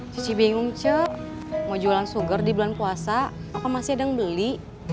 cuci bingung cek mau jualan sugar di bulan puasa apa masih ada yang beli